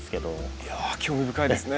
いや興味深いですね。